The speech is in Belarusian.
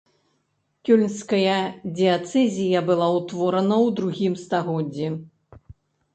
Кёльнская дыяцэзія была ўтворана ў другім стагоддзі.